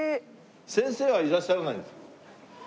先生はいらっしゃらないんですか？